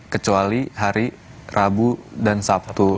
kecuali hari rabu dan sabtu